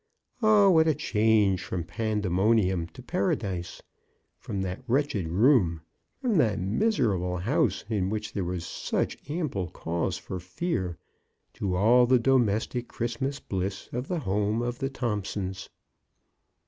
Oh, what a change from Pandemonium to Paradise ! from that wretched room, from that miserable house in which there was such ample cause for fear, to all the domestic Christmas bliss of the home of the Thompsons